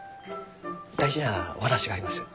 大事なお話があります。